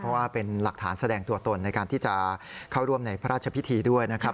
เพราะว่าเป็นหลักฐานแสดงตัวตนในการที่จะเข้าร่วมในพระราชพิธีด้วยนะครับ